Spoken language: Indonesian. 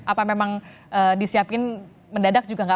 apa memang disiapkan mendadak juga nggak